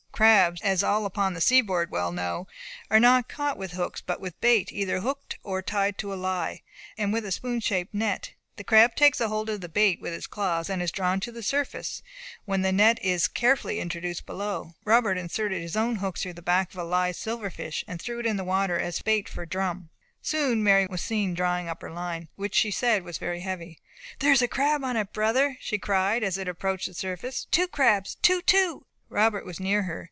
Crabs, as all upon the seaboard well know, are not caught with hooks, but with bait either hooked or tied to a lie, and with a spoon shaped net. The crab takes hold of the bait with its claws, and is drawn to the surface, when the net is carefully introduced below. Robert inserted his own hook through the back of a live silver fish, and threw it in the water as a bait for drum. Soon Mary was seen drawing up her line, which she said was very heavy. "There is a crab on it, brother!" she cried, as it approached the surface; "two crabs! two! two!" Robert was near her.